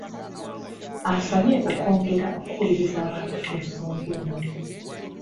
Asabye okwongera okukubiriza abantu ku nsonga eno.